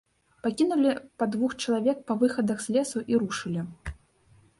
Пакінулі па двух чалавек па выхадах з лесу і рушылі.